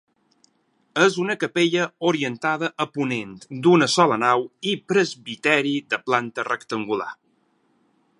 És una capella orientada a ponent d'una sola nau i presbiteri de planta rectangular.